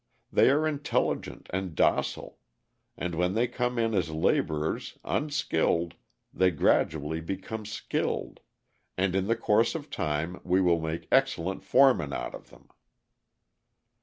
They are intelligent and docile, and when they come in as labourers, unskilled, they gradually become skilled, and in the course of time we will make excellent foremen out of them."